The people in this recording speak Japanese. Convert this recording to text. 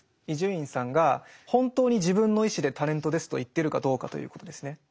伊集院さんが本当に自分の意思で「タレントです」と言ってるかどうかということですね。